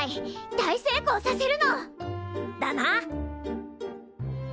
大成功させるの！だな！